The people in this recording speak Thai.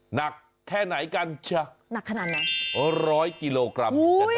หนักแค่ไหนกันช้ะหนักขนาดไหนร้อยกิโลกรัม